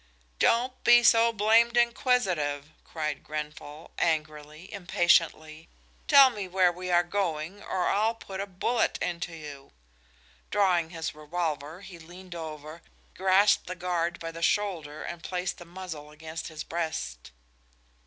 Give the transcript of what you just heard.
"Don't be so blamed inquisitive," cried Grenfall, angrily, impatiently. "Tell me where we are going or I'll put a bullet into you!" Drawing his revolver he leaned over, grasped the guard by the shoulder and placed the muzzle against his breast.